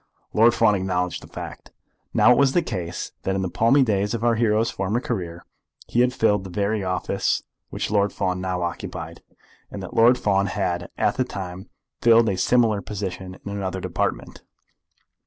Lord Fawn acknowledged the fact. Now it was the case that in the palmy days of our hero's former career he had filled the very office which Lord Fawn now occupied, and that Lord Fawn had at the time filled a similar position in another department.